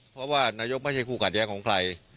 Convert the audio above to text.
เพราะว่านายกไม่ใช่คู่กัดแย้งของใคร